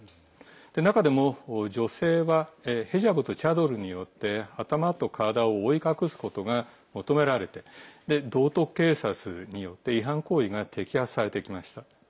中でも女性はヘジャブとチャドルによって頭と体を覆い隠すことが求められて、道徳警察によって違反行為が摘発されてきました。